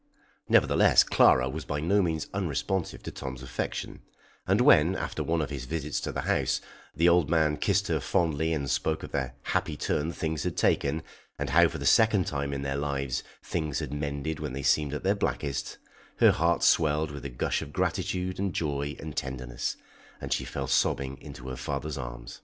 Nevertheless, Clara was by no means unresponsive to Tom's affection, and when, after one of his visits to the house, the old man kissed her fondly and spoke of the happy turn things had taken, and how, for the second time in their lives, things had mended when they seemed at their blackest, her heart swelled with a gush of gratitude and joy and tenderness, and she fell sobbing into her father's arms.